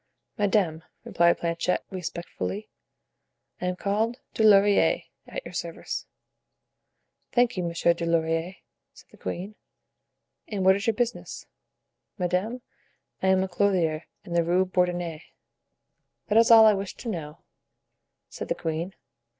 "Madame," replied Planchet, respectfully, "I am called Dulaurier, at your service." "Thank you, Monsieur Dulaurier," said the queen; "and what is your business?" "Madame, I am a clothier in the Rue Bourdonnais." "That is all I wished to know," said the queen.